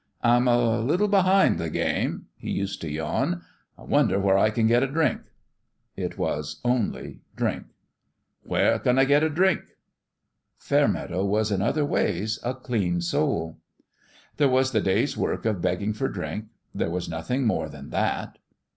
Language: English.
" I'm a little behind the game,' 1 he used to yawn. " I wonder where I can get a drink." It was only drink. " Where can I get a drink ?" Fairmeadow was in other ways a clean soul. There was the day's work of begging for drink ; there was nothing more than that.